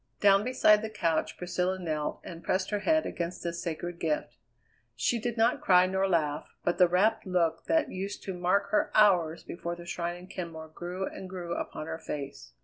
Down beside the couch Priscilla knelt and pressed her head against the sacred gift. She did not cry nor laugh, but the rapt look that used to mark her hours before the shrine in Kenmore grew and grew upon her face.